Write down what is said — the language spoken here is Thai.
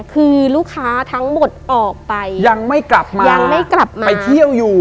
คือลูกค้าทั้งหมดออกไปยังไม่กลับมายังไม่กลับมาไปเที่ยวอยู่